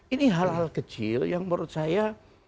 ini hal hal kecil yang menurut saya